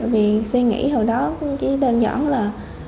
vì suy nghĩ hồi đó chỉ đơn giản là